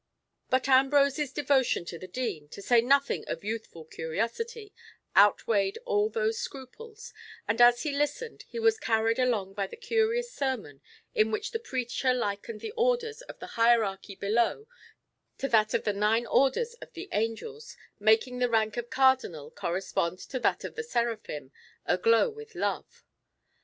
But Ambrose's devotion to the Dean, to say nothing of youthful curiosity, outweighed all those scruples, and as he listened, he was carried along by the curious sermon in which the preacher likened the orders of the hierarchy below to that of the nine orders of the Angels, making the rank of Cardinal correspond to that of the Seraphim, aglow with love.